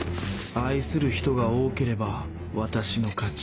「愛する人」が多ければ私の勝ち。